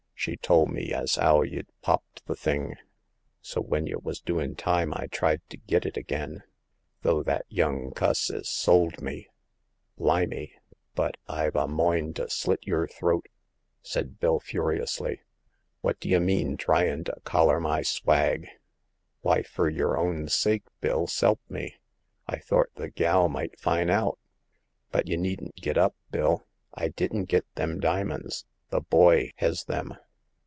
She tole me as *ow y'd popped th' thing ; so when y' wos doin' time I tried to git it again, tho' that young cuss 'es sold me. Blimme ! but I've a moind to slit yer throat !" said Bill, furiously. Wot d' y' mean tryin* to coUer my swag?'* "Why, fur yer own sake. Bill, s'elp me. I thort the gal might fin' out. But y* needn't git up, Bill; I didn't git them dimins. The boy hes them."